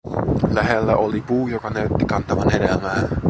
Lähellä oli puu, joka näytti kantavan hedelmää.